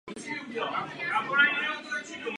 Provázejí ji dvě Marie.